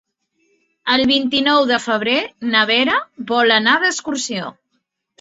El vint-i-nou de febrer na Vera vol anar d'excursió.